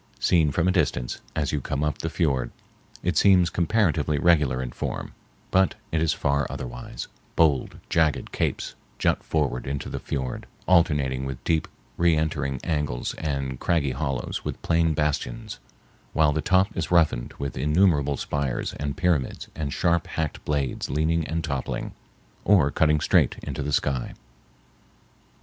Seen from a distance, as you come up the fiord, it seems comparatively regular in form, but it is far otherwise; bold, jagged capes jut forward into the fiord, alternating with deep reentering angles and craggy hollows with plain bastions, while the top is roughened with innumerable spires and pyramids and sharp hacked blades leaning and toppling or cutting straight into the sky.